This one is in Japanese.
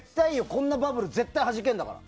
こんなバブル絶対はじけるんだから。